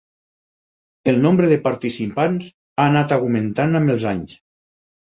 El nombre de participants ha anat augmentant amb els anys.